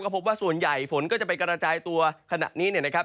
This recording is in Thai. พบว่าส่วนใหญ่ฝนก็จะไปกระจายตัวขณะนี้เนี่ยนะครับ